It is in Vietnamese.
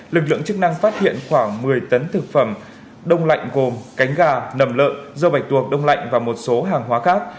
lực lượng chức năng phát hiện khoảng một mươi tấn thực phẩm đông lạnh gồm cánh gà nầm lợn dâu bạch tuộc đông lạnh và một số hàng hóa khác